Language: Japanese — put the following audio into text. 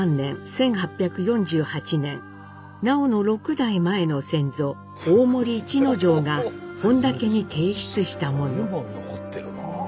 １８４８年南朋の６代前の先祖大森市之丞が本多家に提出したもの。